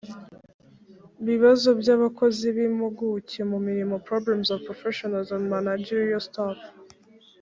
bibazo by abakozi b impuguke mu mirimo problems of professionals and managerial staff